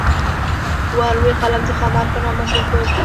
ور وې قلم د خامار په نامه کېښود.